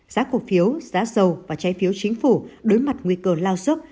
giá cổ phiếu giá dầu và trái phiếu chính phủ đối mặt nguy cơ lao sốc